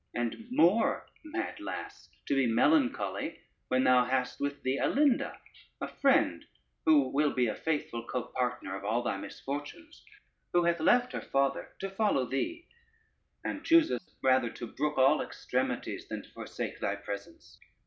and more, mad lass, to be melancholy, when thou hast with thee Alinda, a friend who will be a faithful copartner of all thy misfortunes, who hath left her father to follow thee, and chooseth rather to brook all extremities than to forsake thy presence.